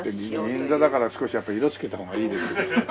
銀座だから少しやっぱ色つけた方がいいですよ。